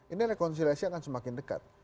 ini rekonsiliasi akan semakin dekat